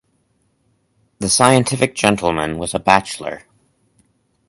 The scientific gentleman was a bachelor.